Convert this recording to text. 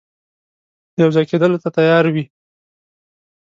یو ځای کېدلو ته تیار وي.